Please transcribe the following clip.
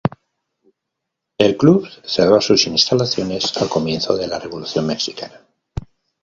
El club cerró sus instalaciones al comienzo de la Revolución Mexicana.